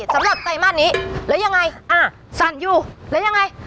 สำหรับไตมัดนี้แล้วยังไงอ่าสั่นอยู่แล้วยังไง